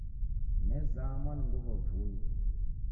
Nezamwa ni nguw'o vui.